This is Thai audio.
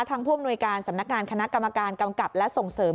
ผู้อำนวยการสำนักงานคณะกรรมการกำกับและส่งเสริม